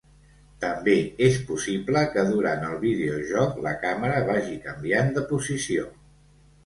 També és possible, que durant el videojoc, la càmera vagi canviant de posició.